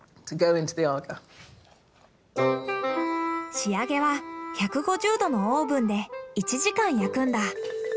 仕上げは１５０度のオーブンで１時間焼くんだ。